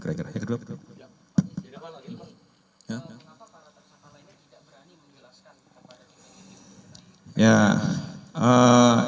kenapa para tersangka lainnya tidak berani menjelaskan apa yang sudah ini